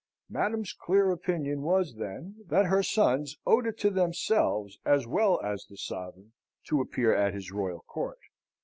Madam's clear opinion was, then, that her sons owed it to themselves as well as the sovereign to appear at his royal court.